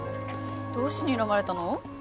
どうしてにらまれたの？